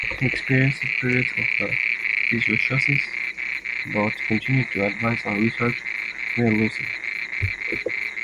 He experienced periods of psychosis but continued to advise on research when lucid.